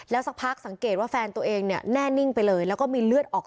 และฟังให้แฟนตัวเองแน่นิ่งได้และก็มีเลือดออก